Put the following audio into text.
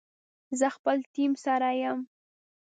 زه خپل ټیم سره یم